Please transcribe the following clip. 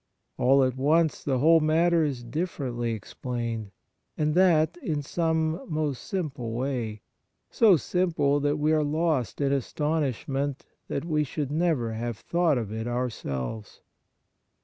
All at once the whole matter is differently explained, and that in some most simple way, so simple that we are lost in astonish . Kind Thoughts 59 ment that we should never have thought of it ourselves.